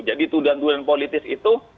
jadi tuduhan tuduhan politis itu